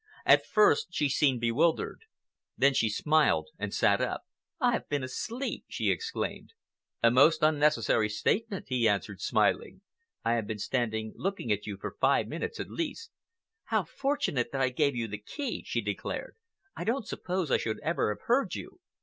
At first she seemed bewildered. Then she smiled and sat up. "I have been asleep!" she exclaimed. "A most unnecessary statement," he answered, smiling. "I have been standing looking at you for five minutes at least." "How fortunate that I gave you the key!" she declared. "I don't suppose I should ever have heard you.